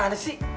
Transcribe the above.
lila kemana sih